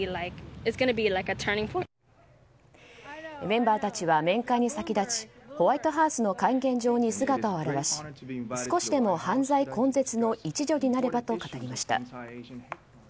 メンバーたちは面会に先立ちホワイトハウスの会見場に姿を現し少しでも犯罪根絶の一助になればと語りました。